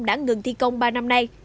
đã ngừng thi công ba năm nay